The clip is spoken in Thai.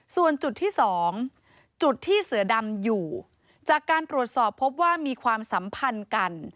ส่วนจุดที่สองจุดที่เสือดำอยู่จากการตรวจสอบพบว่ามีความสัมพันธ์กัน